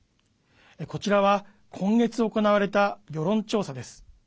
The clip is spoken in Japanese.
こちらは今月行われた世論調査です。